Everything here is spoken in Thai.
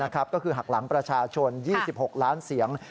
ก็คือหักหลังประชาชน๒๖ล้านเสียง